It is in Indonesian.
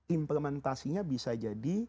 implementasinya bisa jadi